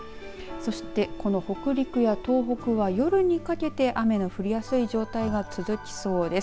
そして、この北陸や東北は夜にかけて雨の降りやすい状態が続きそうです。